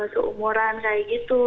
keumuran kayak gitu